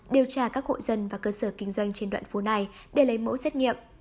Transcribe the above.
điều tra các hộ dân và cơ sở kinh doanh trên đoạn phố này để lấy mẫu xét nghiệm